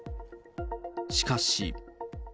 しかし。